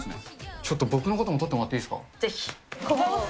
ちょっと僕のことも撮ってもらっていいですか？